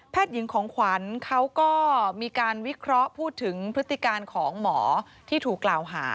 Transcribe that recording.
หญิงของขวัญเขาก็มีการวิเคราะห์พูดถึงพฤติการของหมอที่ถูกกล่าวหา